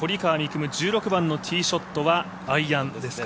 夢１６番のティーショットはアイアンですか？